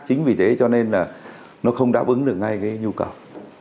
chính vì thế cho nên là nó không đáp ứng được ngay cái nhu cầu